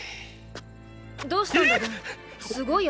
どうしたんだボン。